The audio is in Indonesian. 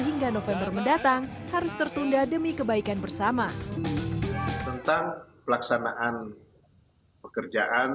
hingga november mendatang harus tertunda demi kebaikan bersama tentang pelaksanaan pekerjaan